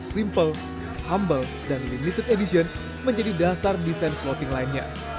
simple humble dan limited edition menjadi dasar desain floating line nya